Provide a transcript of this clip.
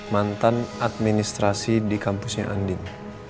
mantan administrasi di kampusnya andin